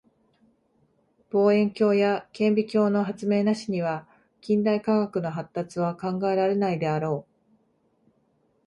望遠鏡や顕微鏡の発明なしには近代科学の発達は考えられないであろう。